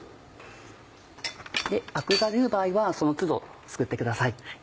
アクが出る場合はその都度すくってください。